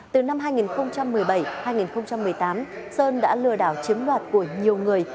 từ năm hai nghìn một mươi bảy hai nghìn một mươi tám sơn đã lừa đảo chiếm đoạt của nhiều người